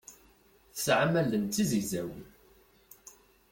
Tesɛam allen d tizegzawin.